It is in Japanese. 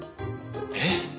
えっ？